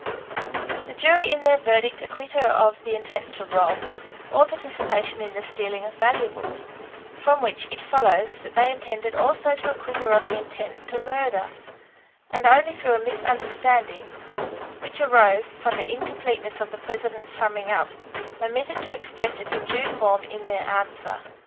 The jury in their verdict acquit her of the intent to rob, or participation in the stealing of valuables, from which it follows that they intended also to acquit her of the intent to murder, and only through a misunderstanding, which arose from the incompleteness of the president's summing up, omitted to express it in due form in their answer.